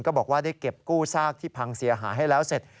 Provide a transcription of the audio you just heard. บอกว่าได้เก็บกู้ซากที่พังเสียหายให้แล้วเสร็จ